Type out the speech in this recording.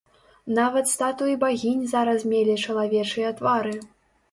Нават статуі багінь зараз мелі чалавечыя твары.